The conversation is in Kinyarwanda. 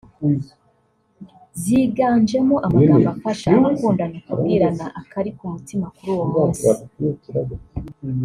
ziganjemo amagambo afasha abakundana kubwirana akari ku mutima kuri uwo munsi